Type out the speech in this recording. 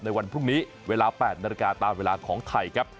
วันพรุ่งนี้เวลา๘นาฬิกาตามเวลาของไทยครับ